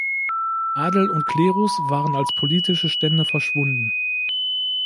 Adel und Klerus waren als politische Stände verschwunden.